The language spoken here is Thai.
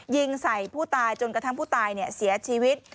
ยิงใส่ผู้ตายจนกระทั่งผู้ตายเสียชีวิต